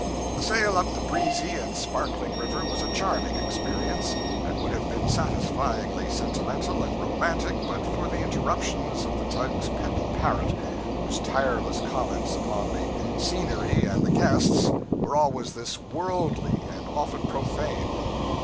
The sail up the breezy and sparkling river was a charming experience, and would have been satisfyingly sentimental and romantic but for the interruptions of the tug's pet parrot, whose tireless comments upon the scenery and the guests were always this worldly, and often profane.